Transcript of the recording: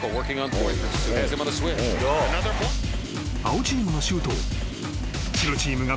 ［青チームのシュートを］